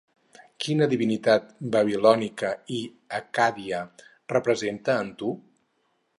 Quina divinitat babilònica i accàdia representa Antu?